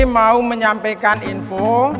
mau menyampaikan info